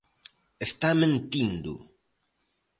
Está mentindo.